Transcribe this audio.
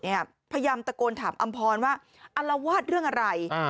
พยายามตะโกนถามอำพรว่าอลวาดเรื่องอะไร